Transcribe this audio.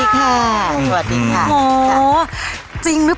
ขอบคุณครับ